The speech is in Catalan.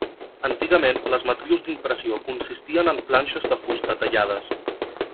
Antigament les matrius d'impressió consistien en planxes de fusta tallades.